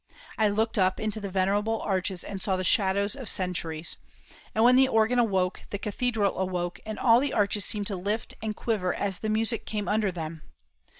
I looked up into the venerable arches and saw the shadows of centuries; and when the organ awoke the cathedral awoke, and all the arches seemed to lift and quiver as the music came under them.